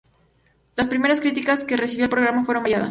Las primeras críticas que recibió el programa fueron variadas.